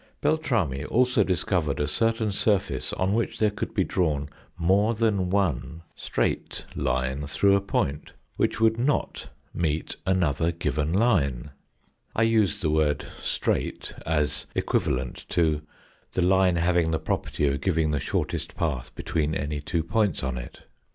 Beltrami also discovered a certain surface on which there could be drawn more than one "straight" line through a THE SECOND CHAPTER IN THE HISTORY OF FOUR SPACE 59 point which would not meet another given line. I use the word straight as equivalent to the line having the property of giving the shortest path between any two points on it.